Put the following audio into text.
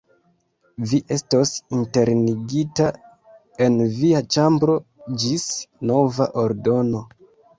Vi estos internigita en via ĉambro ĝis nova ordono.